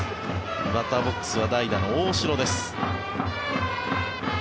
バッターボックスは代打の大城です。